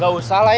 gak usah lah ya